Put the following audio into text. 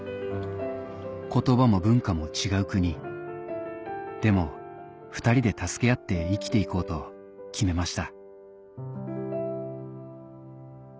言葉も文化も違う国でも２人で助け合って生きて行こうと決めました